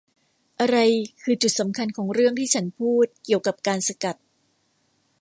อะไรคือจุดสำคัญของเรื่องที่ฉันพูดเกี่ยวกับการสกัด ?